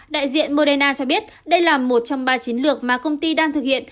đại diện moderna cho biết đây là một trong ba chiến lược mà công ty đang thực hiện